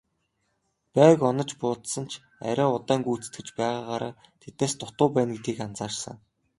Байг онож буудсан ч арай удаан гүйцэтгэж байгаагаараа тэднээс дутуу байна гэдгийг анзаарсан.